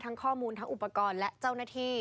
ข้อมูลทั้งอุปกรณ์และเจ้าหน้าที่